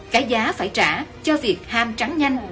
cái giá phải trả cho việc ham trắng nhanh